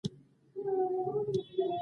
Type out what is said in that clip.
د بواسیر لپاره د انځر اوبه وکاروئ